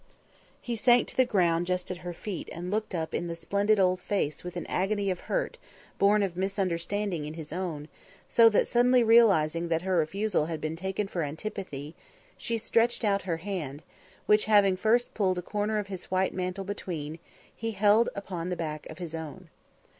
'" He sank to the ground just at her feet and looked up in the splendid old face with an agony of hurt born of misunderstanding in his own, so that, suddenly realising that her refusal had been taken for antipathy, she stretched out her hand, which, having first pulled a corner of his white mantle between, he held upon the back of his own.